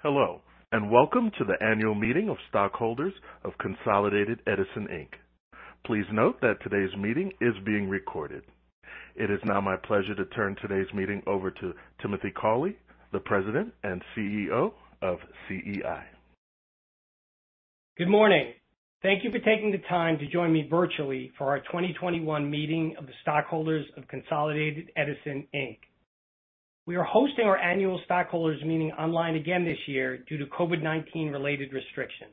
Hello, welcome to the annual meeting of stockholders of Consolidated Edison, Inc. Please note that today's meeting is being recorded. It is now my pleasure to turn today's meeting over to Timothy Cawley, the President and Chief Executive Officer of CEI. Good morning. Thank you for taking the time to join me virtually for our 2021 meeting of the stockholders of Consolidated Edison, Inc. We are hosting our annual stockholders meeting online again this year due to COVID-19 related restrictions.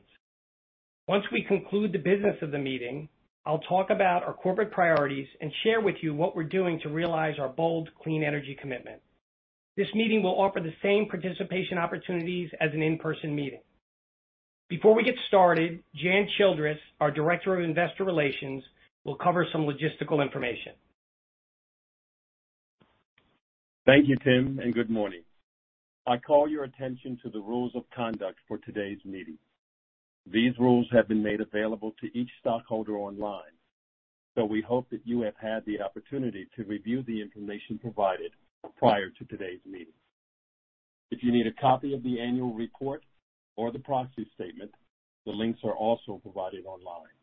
Once we conclude the business of the meeting, I'll talk about our corporate priorities and share with you what we're doing to realize our bold, clean energy commitment. This meeting will offer the same participation opportunities as an in-person meeting. Before we get started, Jan Childress, our Director of Investor Relations, will cover some logistical information. Thank you, Tim, and good morning. I call your attention to the rules of conduct for today's meeting. These rules have been made available to each stockholder online, so we hope that you have had the opportunity to review the information provided prior to today's meeting. If you need a copy of the annual report or the proxy statement, the links are also provided online.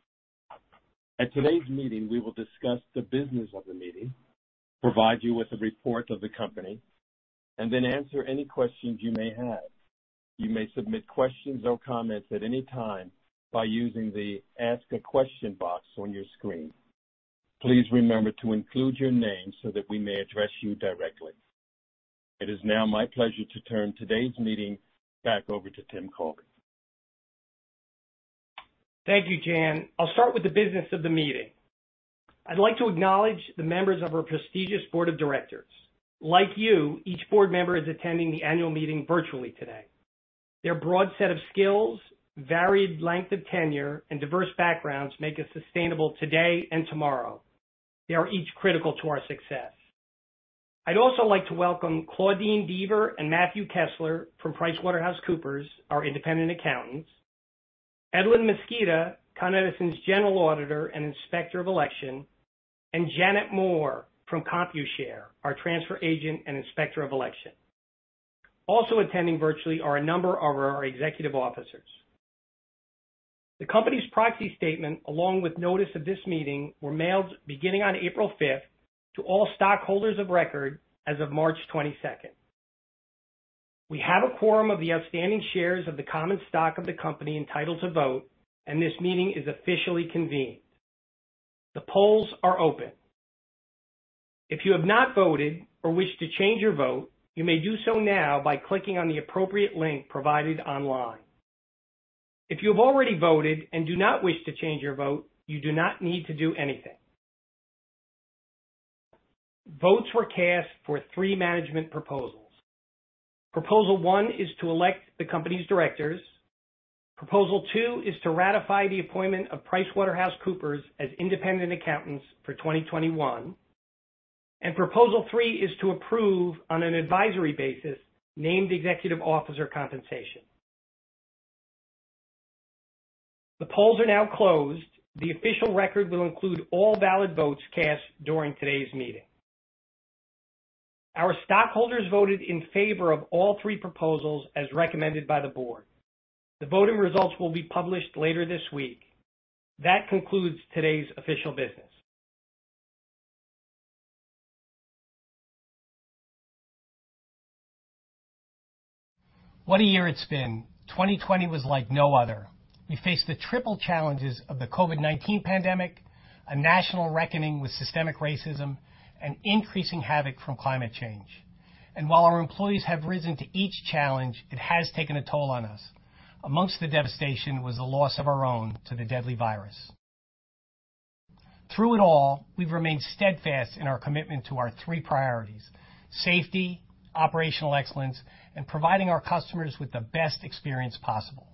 At today's meeting, we will discuss the business of the meeting, provide you with a report of the company, and then answer any questions you may have. You may submit questions or comments at any time by using the Ask a Question box on your screen. Please remember to include your name so that we may address you directly. It is now my pleasure to turn today's meeting back over to Tim Cawley. Thank you, Jan. I'll start with the business of the meeting. I'd like to acknowledge the members of our prestigious board of directors. Like you, each board member is attending the annual meeting virtually today. Their broad set of skills, varied length of tenure, and diverse backgrounds make us sustainable today and tomorrow. They are each critical to our success. I'd also like to welcome Claudine Deaver and Matthew Kessler from PricewaterhouseCoopers, our independent accountants, Edwin Mosqueda, Con Edison's General Auditor and Inspector of Election, and Janet Moore from Computershare, our transfer agent and Inspector of Election. Also attending virtually are a number of our executive officers. The company's proxy statement, along with notice of this meeting, were mailed beginning on April 5th to all stockholders of record as of March 22nd. We have a quorum of the outstanding shares of the common stock of the company entitled to vote, and this meeting is officially convened. The polls are open. If you have not voted or wish to change your vote, you may do so now by clicking on the appropriate link provided online. If you've already voted and do not wish to change your vote, you do not need to do anything. Votes were cast for three management proposals. Proposal one is to elect the company's directors, proposal two is to ratify the appointment of PricewaterhouseCoopers as independent accountants for 2021, and proposal three is to approve on an advisory basis named executive officer compensation. The polls are now closed. The official record will include all valid votes cast during today's meeting. Our stockholders voted in favor of all three proposals as recommended by the board. The voting results will be published later this week. That concludes today's official business. What a year it's been. 2020 was like no other. We faced the triple challenges of the COVID-19 pandemic, a national reckoning with systemic racism, and increasing havoc from climate change. While our employees have risen to each challenge, it has taken a toll on us. Amongst the devastation was the loss of our own to the deadly virus. Through it all, we've remained steadfast in our commitment to our three priorities: safety, operational excellence, and providing our customers with the best experience possible.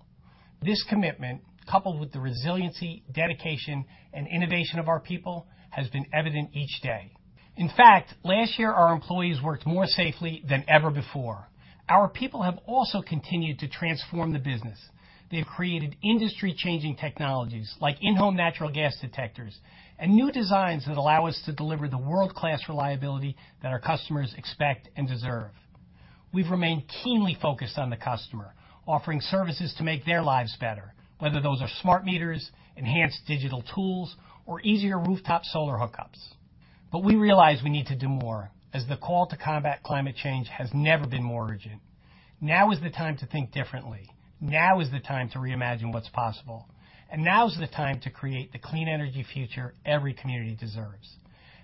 This commitment, coupled with the resiliency, dedication, and innovation of our people, has been evident each day. In fact, last year, our employees worked more safely than ever before. Our people have also continued to transform the business. They've created industry-changing technologies like in-home natural gas detectors and new designs that allow us to deliver the world-class reliability that our customers expect and deserve. We've remained keenly focused on the customer, offering services to make their lives better, whether those are smart meters, enhanced digital tools, or easier rooftop solar hookups. We realize we need to do more, as the call to combat climate change has never been more urgent. Now is the time to think differently. Now is the time to reimagine what's possible. Now is the time to create the clean energy future every community deserves.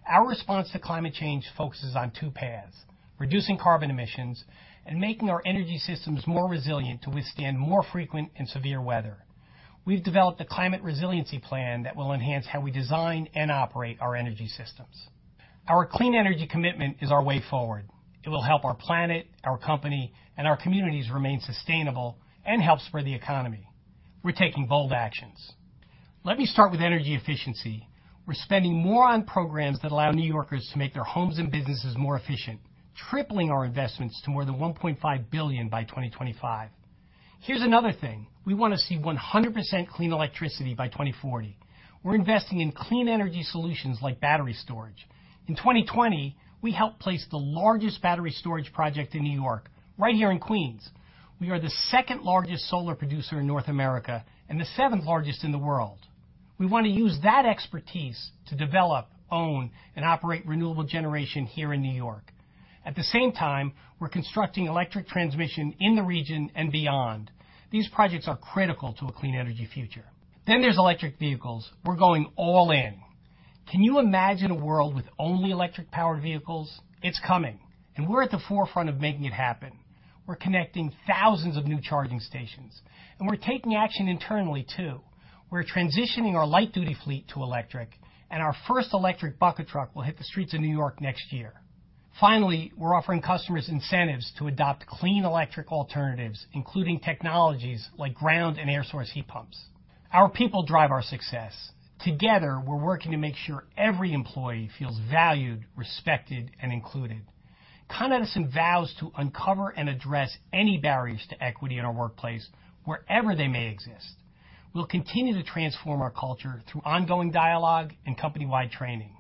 Our response to climate change focuses on two paths, reducing carbon emissions and making our energy systems more resilient to withstand more frequent and severe weather. We've developed a climate resiliency plan that will enhance how we design and operate our energy systems. Our clean energy commitment is our way forward. It will help our planet, our company, and our communities remain sustainable and help spur the economy. We're taking bold actions. Let me start with energy efficiency. We're spending more on programs that allow New Yorkers to make their homes and businesses more efficient, tripling our investments to more than $1.5 billion by 2025. Here's another thing. We want to see 100% clean electricity by 2040. We're investing in clean energy solutions like battery storage. In 2020, we helped place the largest battery storage project in New York right here in Queens. We are the second-largest solar producer in North America and the seventh-largest in the world. We want to use that expertise to develop, own, and operate renewable generation here in New York. At the same time, we're constructing electric transmission in the region and beyond. These projects are critical to a clean energy future. There's electric vehicles. We're going all in. Can you imagine a world with only electric-powered vehicles? It's coming, and we're at the forefront of making it happen. We're connecting thousands of new charging stations, and we're taking action internally, too. We're transitioning our light duty fleet to electric, and our first electric bucket truck will hit the streets of New York next year. Finally, we're offering customers incentives to adopt clean electric alternatives, including technologies like ground and air source heat pumps. Our people drive our success. Together, we're working to make sure every employee feels valued, respected, and included. Con Edison vows to uncover and address any barriers to equity in our workplace, wherever they may exist. We'll continue to transform our culture through ongoing dialogue and company-wide training.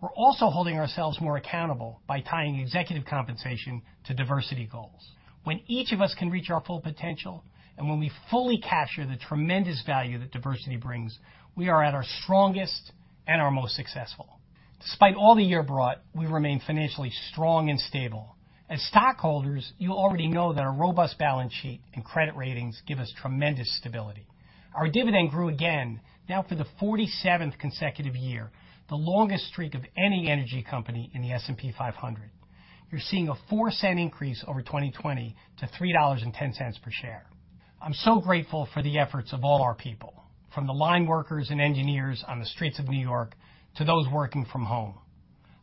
We're also holding ourselves more accountable by tying executive compensation to diversity goals. When each of us can reach our full potential, and when we fully capture the tremendous value that diversity brings, we are at our strongest and our most successful. Despite all the year brought, we remain financially strong and stable. As stockholders, you already know that a robust balance sheet and credit ratings give us tremendous stability. Our dividend grew again, now for the 47th consecutive year, the longest streak of any energy company in the S&P 500. You're seeing a $0.04 increase over 2020 to $3.10 per share. I'm so grateful for the efforts of all our people, from the line workers and engineers on the streets of New York to those working from home.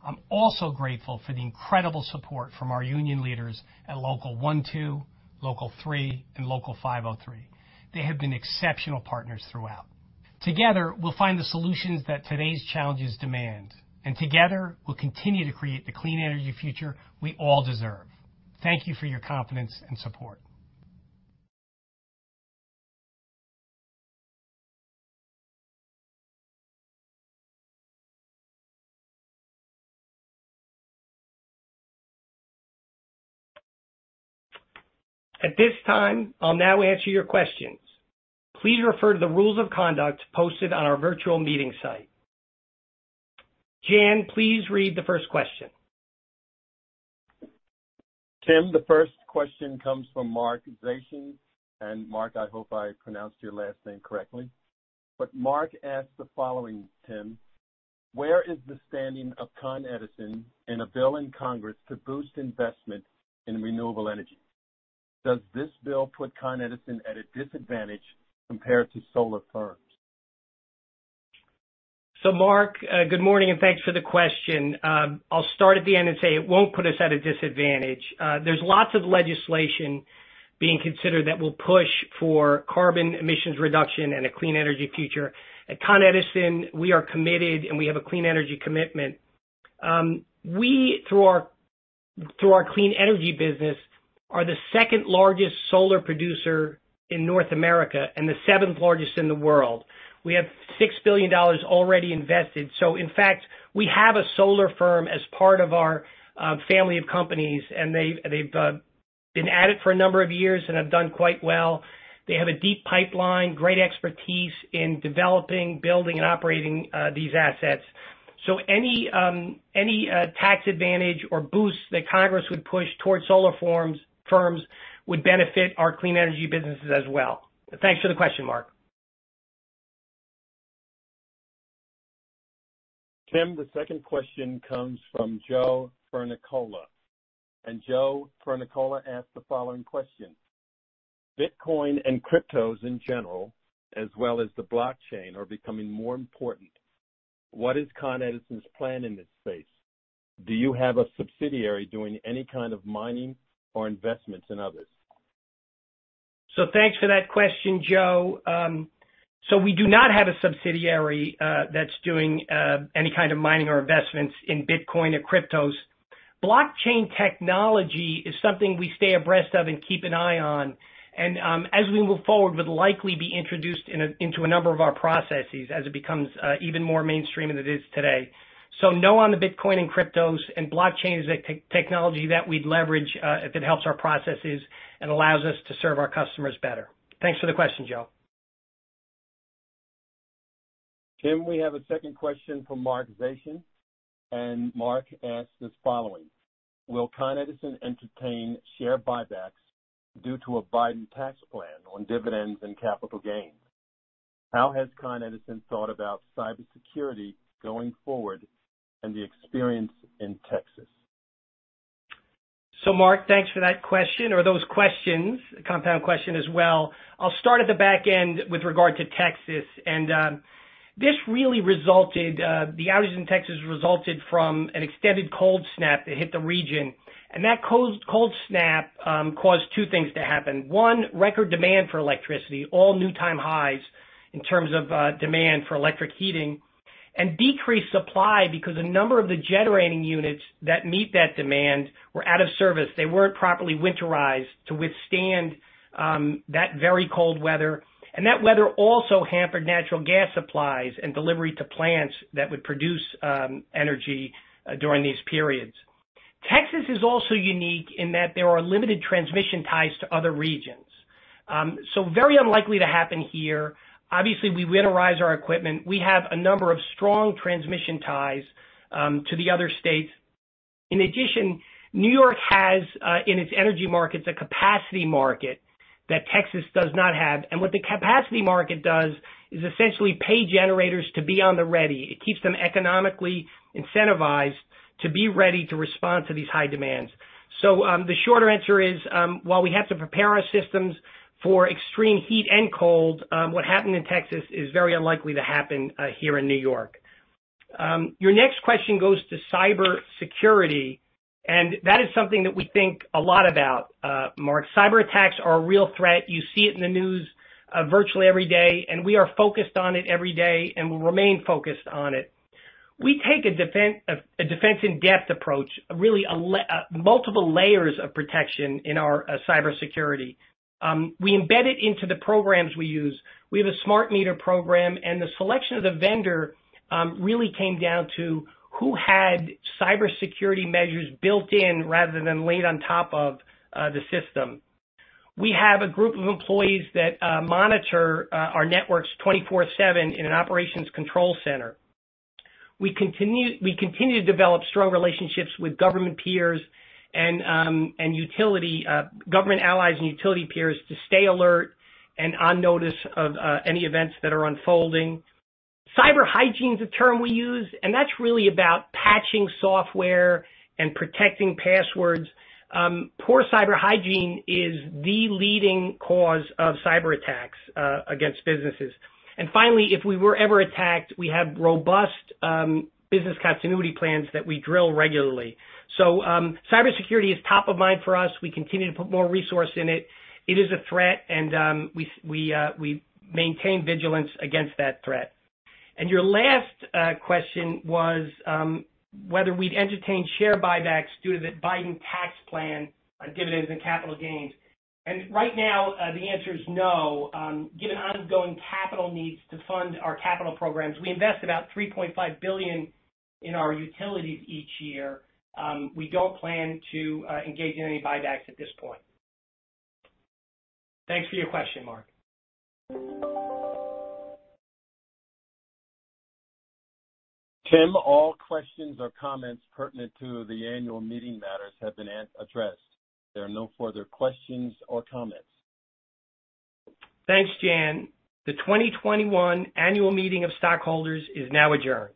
I'm also grateful for the incredible support from our union leaders at Local 1-2, Local 3, and Local 503. They have been exceptional partners throughout. Together, we'll find the solutions that today's challenges demand, and together, we'll continue to create the clean energy future we all deserve. Thank you for your confidence and support. At this time, I'll now answer your questions. Please refer to the rules of conduct posted on our virtual meeting site. Jan, please read the first question. Tim, the first question comes from Mark Zations. Mark, I hope I pronounced your last name correctly. Mark asks the following, Tim, where is the standing of Con Edison in a bill in Congress to boost investment in renewable energy? Does this bill put Con Edison at a disadvantage compared to solar firms? Mark, good morning, and thanks for the question. I'll start at the end and say it won't put us at a disadvantage. There's lots of legislation being considered that will push for carbon emissions reduction and a clean energy future. At Con Edison, we are committed, and we have a clean energy commitment. We, through our clean energy business, are the second largest solar producer in North America and the seventh largest in the world. We have $6 billion already invested. In fact, we have a solar firm as part of our family of companies, and they've been at it for a number of years and have done quite well. They have a deep pipeline, great expertise in developing, building, and operating these assets. Any tax advantage or boost that Congress would push towards solar firms would benefit our clean energy businesses as well. Thanks for the question, Mark. Tim, the second question comes from Joe Fernicola. Joe Fernicola asks the following question, Bitcoin and cryptos in general, as well as the blockchain, are becoming more important. What is Con Edison's plan in this space? Do you have a subsidiary doing any kind of mining or investments in others? Thanks for that question, Joe. We do not have a subsidiary that's doing any kind of mining or investments in Bitcoin or cryptos. Blockchain technology is something we stay abreast of and keep an eye on, and as we move forward, would likely be introduced into a number of our processes as it becomes even more mainstream than it is today. No on the Bitcoin and cryptos, and blockchain is a technology that we'd leverage if it helps our processes and allows us to serve our customers better. Thanks for the question, Joe. Tim, we have a second question from Mark Zations. Mark asks this following, will Con Edison entertain share buybacks due to a Biden tax plan on dividends and capital gains? How has Con Edison thought about cybersecurity going forward and the experience in Texas? Mark, thanks for that question or those questions. A compound question as well. I'll start at the back end with regard to Texas. This really resulted, the outage in Texas resulted from an extended cold snap that hit the region, and that cold snap caused two things to happen. One, record demand for electricity, all new time highs in terms of demand for electric heating, and decreased supply because a number of the generating units that meet that demand were out of service. They weren't properly winterized to withstand that very cold weather. That weather also hampered natural gas supplies and delivery to plants that would produce energy during these periods. Texas is also unique in that there are limited transmission ties to other regions. Very unlikely to happen here. Obviously, we winterize our equipment. We have a number of strong transmission ties to the other states. In addition, New York has, in its energy market, the capacity market that Texas does not have. What the capacity market does is essentially pay generators to be on the ready. It keeps them economically incentivized to be ready to respond to these high demands. The shorter answer is, while we have to prepare our systems for extreme heat and cold, what happened in Texas is very unlikely to happen here in New York. Your next question goes to cybersecurity, and that is something that we think a lot about, Mark. Cyber attacks are a real threat. You see it in the news virtually every day. We are focused on it every day and will remain focused on it. We take a defense in depth approach, really multiple layers of protection in our cybersecurity. We embed it into the programs we use. We have a smart meter program. The selection of the vendor really came down to who had cybersecurity measures built in rather than laid on top of the system. We have a group of employees that monitor our networks 24/7 in an operations control center. We continue to develop strong relationships with government allies and utility peers to stay alert and on notice of any events that are unfolding. Cyber hygiene is a term we use. That's really about patching software and protecting passwords. Poor cyber hygiene is the leading cause of cyber attacks against businesses. Finally, if we were ever attacked, we have robust business continuity plans that we drill regularly. Cybersecurity is top of mind for us. We continue to put more resource in it. It is a threat, and we maintain vigilance against that threat. Your last question was whether we'd entertain share buybacks due to the Biden tax plan, given the capital gains. Right now, the answer is no. Given ongoing capital needs to fund our capital programs, we invest about $3.5 billion in our utilities each year. We don't plan to engage in any buybacks at this point. Thanks for your question, Mark. Tim, all questions or comments pertinent to the annual meeting matters have been addressed. There are no further questions or comments. Thanks, Jan. The 2021 Annual Meeting of Stockholders is now adjourned.